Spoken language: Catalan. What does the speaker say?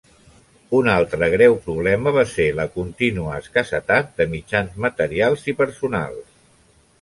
Un altre greu problema va ser la contínua escassetat de mitjans materials i personals.